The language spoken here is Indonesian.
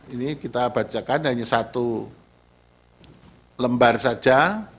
ini kita bacakan hanya satu lembar saja